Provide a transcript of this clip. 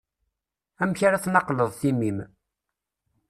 Amek ara tnaqleḍ timmi-m.